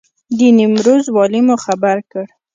د نیمروز والي مو خبر کړ.